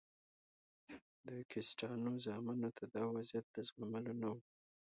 د کسټانو زامنو ته دا وضعیت د زغملو نه و.